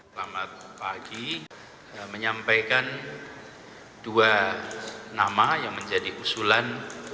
selamat pagi menyampaikan dua nama yang menjadi usulan